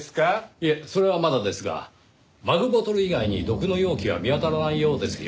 いえそれはまだですがマグボトル以外に毒の容器は見当たらないようですよ。